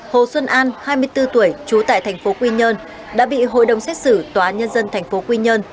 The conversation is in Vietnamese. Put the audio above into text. hồ xuân an hai mươi bốn tuổi trú tại thành phố quy nhơn đã bị hội đồng xét xử tòa nhân dân tp quy nhơn